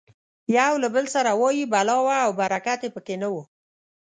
یو له بل سره وایي بلا وه او برکت یې پکې نه و.